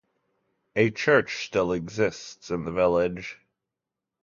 A church still exists in the village.